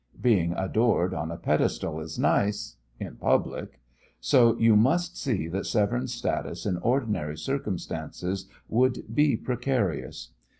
Being adored on a pedestal is nice in public. So you must see that Severne's status in ordinary circumstances would be precarious.